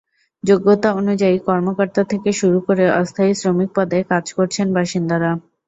যোগ্যতা অনুযায়ী কর্মকর্তা থেকে শুরু করে অস্থায়ী শ্রমিক পদে কাজ করছেন বাসিন্দারা।